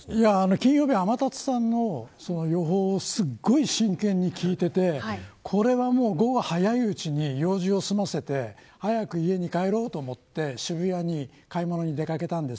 金曜日、天達さんの予報をすごい真剣に聞いていてこれはもう午後早いうちに用事を済ませて早く家に帰ろうと思って渋谷に買い物に出かけたんです。